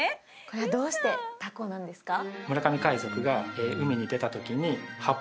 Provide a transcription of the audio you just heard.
これはどうしてタコなんですか？